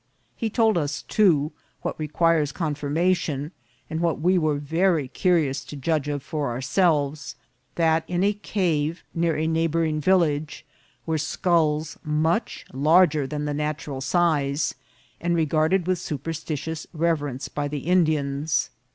He told us, too, what requires confirmation, and what we were very cu rious to judge of for ourselves, that in a cave near a neighbouring village were sculls much larger than the natural size, and regarded with superstitious reverence by the Indians.